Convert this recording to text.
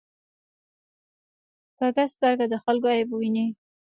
کوږه سترګه د خلکو عیب ویني